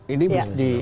ini bisa di